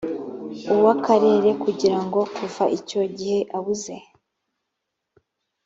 uw akarere kugira ngo kuva icyo gihe abuze